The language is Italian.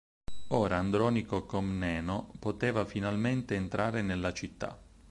Ora Andronico Comneno poteva finalmente entrare nella città.